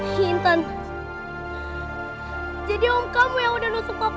kalian jangan berpikir uh